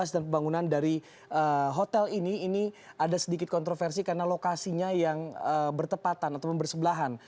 dan pembangunan dari hotel ini ini ada sedikit kontroversi karena lokasinya yang bertepatan atau bersebelahan